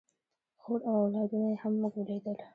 خور او اولادونه یې هم موږ ولیدل.